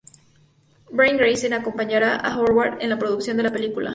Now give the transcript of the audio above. Brian Grazer acompañará a Howard en la producción de la película.